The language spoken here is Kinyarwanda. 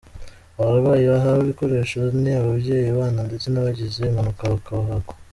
Abarwayi bahawe ibikoresho ni ababyeyi, abana ndetse n’abagize impanuka bakabagwa.